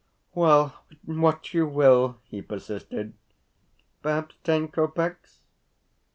"Well, what you will," he persisted. "Perhaps ten kopecks?"